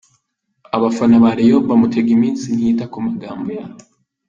Abafana ba Rayon bamutega iminsi ntiyita ku magambo yabo.